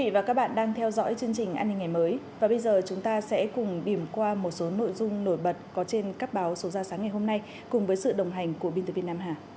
và bây giờ chúng ta sẽ cùng điểm qua một số nội dung nổi bật có trên các báo số ra sáng ngày hôm nay cùng với sự đồng hành của binh tử việt nam hà